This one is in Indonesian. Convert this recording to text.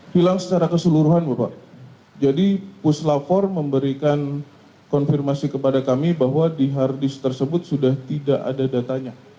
hilang secara keseluruhan bapak jadi puslap empat memberikan konfirmasi kepada kami bahwa di harddisk tersebut sudah tidak ada datanya